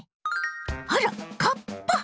あらカッパ！